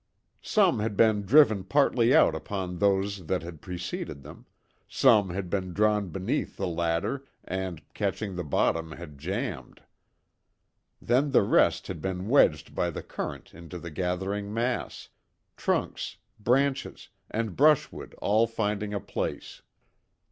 Some had been driven partly out upon those that had preceded them; some had been drawn beneath the latter, and catching the bottom had jambed. Then the rest had been wedged by the current into the gathering mass; trunks, branches, and brushwood all finding a place.